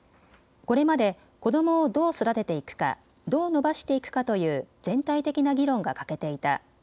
これまで子どもをどう育てていくか、どう伸ばしていくかという全体的な議論が欠けていた。